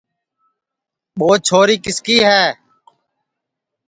ٻو چھوری کِس کی ہے